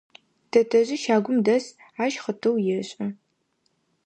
Тэтэжъи щагум дэс, ащ хъытыу ешӏы.